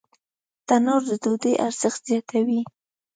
تنور د ډوډۍ ارزښت زیاتوي